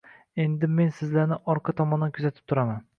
Endi men sizlarni orqa tomondan kuzatib turaman.